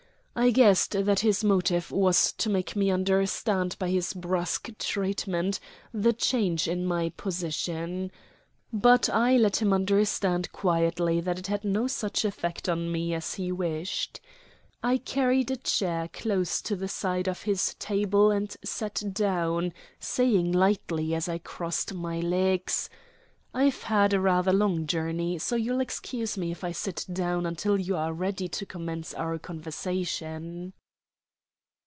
I guessed that his motive was to make me understand by this brusk treatment the change in my position. But I let him understand quietly that it had no such effect on me as he wished. I carried a chair close to the side of his table and sat down, saying lightly, as I crossed my legs: "I've had rather a long journey, so you'll excuse me if I sit down until you are ready to commence our conversation."